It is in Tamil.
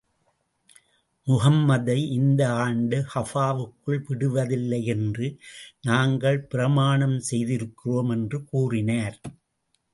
முஹம்மதை இந்த ஆண்டு கஃபாவுக்குள் விடுவதில்லை என்று நாங்கள் பிரமாணம் செய்திருக்கிறோம் என்று கூறினர்.